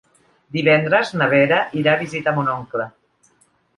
Divendres na Vera irà a visitar mon oncle.